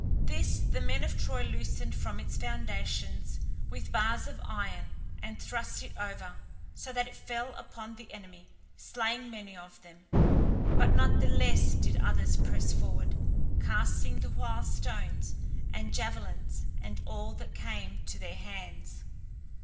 This the men of Troy loosened from its foundations with bars of iron, and thrust it over, so that it fell upon the enemy, slaying many of them. But not the less did others press forward, casting the while stones and javelins and all that came to their hands.